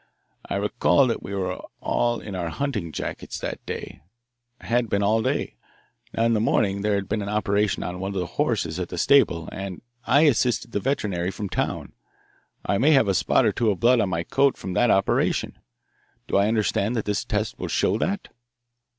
I recall that we were all in our hunting jackets that day, had been all day. Now, in the morning there had been an operation on one of the horses at the stable, and I assisted the veterinary from town. I may have got a spot or two of blood on my coat from that operation. Do I understand that this test would show that?"